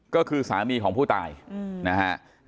ก็คือสามีของผู้ตายนะฮะ